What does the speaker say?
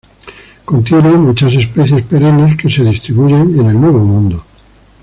Contiene muchas especies perennes que se distribuyen en el Nuevo Mundo.